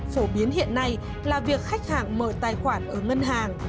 phổ biến hiện nay là việc khách hàng mở tài khoản ở ngân hàng